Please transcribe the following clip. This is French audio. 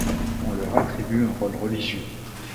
On leur attribue un rôle religieux.